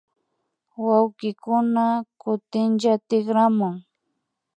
Wawkikuna kutinlla tikramun